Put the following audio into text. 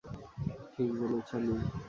ঠিক বলেছ, লী।